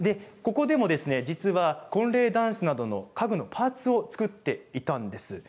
ここでも、実は婚礼だんすなどの家具のパーツを作っていたんです。